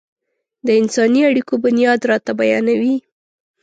د انساني اړيکو بنياد راته بيانوي.